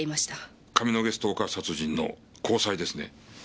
上野毛ストーカー殺人の高裁ですね。